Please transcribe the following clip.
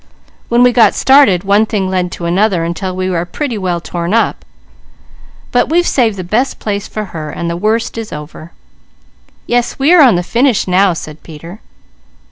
When we got started, one thing led to another until we are pretty well torn up; but we've saved the best place for her, and the worst is over." "Yes we are on the finish now," said Peter.